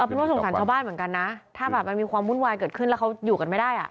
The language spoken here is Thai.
เป็นว่าสงสารชาวบ้านเหมือนกันนะถ้าแบบมันมีความวุ่นวายเกิดขึ้นแล้วเขาอยู่กันไม่ได้อ่ะ